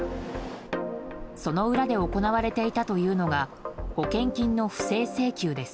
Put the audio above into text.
その裏で行われていたというのが保険金の不正請求です。